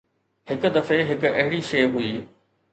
هڪ دفعي هڪ اهڙي شيء هئي.